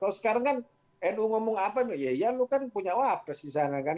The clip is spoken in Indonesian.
kalau sekarang kan nu ngomong apa ya ya lu kan punya wapres di sana kan